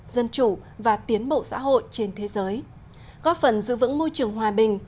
dân chủ và tiến bộ xã hội trên thế giới góp phần giữ vững môi trường hòa bình